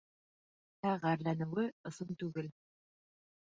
Ә ғәрләнеүе ысын түгел.